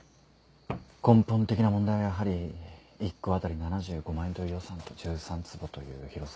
根本的な問題はやはり一戸当たり７５万円という予算と１３坪という広さですね。